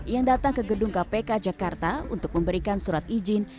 yang datang ke gedung kpk jakarta untuk memberikan surat izin